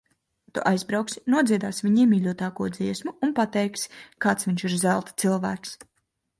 Tu aizbrauksi, nodziedāsi viņa iemīļotāko dziesmu un pateiksi, kāds viņš ir zelta cilvēks.